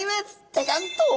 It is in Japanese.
ジャジャンっと。